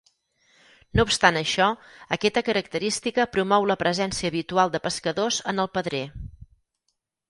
No obstant això aquesta característica promou la presència habitual de pescadors en el pedrer.